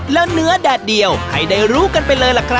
แล้วเนื้อแดดเดียวให้ได้รู้กันไปเลยล่ะครับ